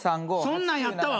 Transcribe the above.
そんなんやったわ。